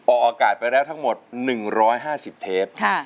ออกอากาศไปแล้วทั้งหมด๑๕๐เทป